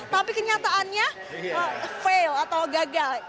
tapi kenyataannya fail atau gagal